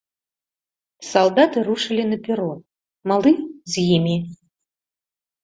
Салдаты рушылі на перон, малы з імі.